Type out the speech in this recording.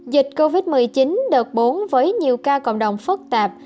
dịch covid một mươi chín đợt bốn với nhiều ca cộng đồng phất tạp